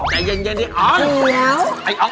พี่จ๋า๓๐๐บาท